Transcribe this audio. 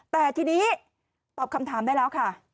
แต่ทีนี้ตอบคำถามได้แล้วค่ะ